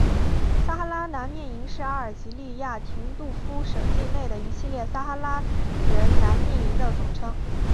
撒哈拉难民营是阿尔及利亚廷杜夫省境内的一系列撒哈拉人难民营的总称。